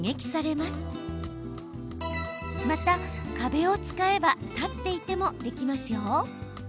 また、壁を使えば立っていてもできますよ。